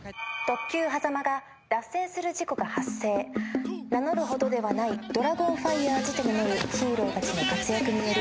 「特急はざまが脱線する事故が発生」「名乗るほどではないドラゴンファイヤーズと名乗るヒーローたちの活躍により」